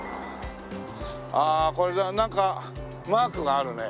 ああこれなんかマークがあるね。